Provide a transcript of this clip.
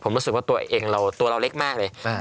ผมรู้สึกว่าตัวเองเราตัวเราเล็กมากเลย